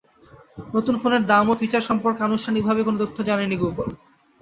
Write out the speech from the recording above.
নতুন ফোনের দাম ও ফিচার সম্পর্কে আনুষ্ঠানিকভাবে কোনো তথ্য জানায়নি গুগল।